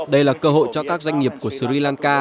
đây là cơ hội cho các doanh nghiệp của sri lanka